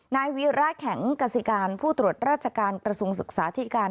นายวีระแข็งกษิการผู้ตรวจราชการกระทรวงศึกษาที่การ